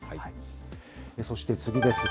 そして次です。